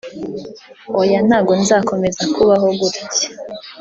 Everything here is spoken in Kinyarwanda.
Oya ntabwo nzakomeza kubaho gutya